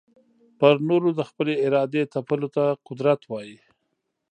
پر نورو د خپلي ارادې تپلو ته قدرت وايې.